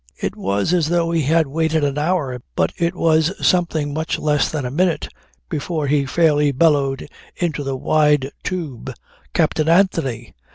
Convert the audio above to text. It was as though he had waited an hour but it was something much less than a minute before he fairly bellowed into the wide tube "Captain Anthony!"